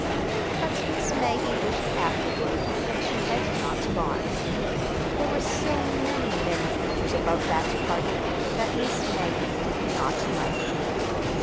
But Miss Maggie wished afterward that she had not gone—there were so many, many features about that party that Miss Maggie did not like.